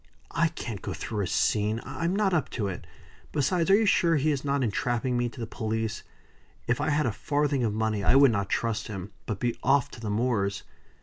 "I can't go through a scene. I'm not up to it. Besides, are you sure he is not entrapping me to the police? If I had a farthing of money I would not trust him, but be off to the moors."